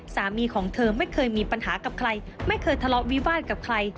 สามีของเธอไม่เคยมีปัญหากับใครไม่เคยทะเลาะวิวาสกับใคร